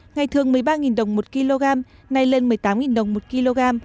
ngày thường một mươi ba đồng một kg nay lên một mươi tám đồng một kg